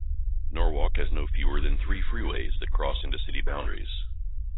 Norwalk has no fewer than three freeways that cross into city boundaries.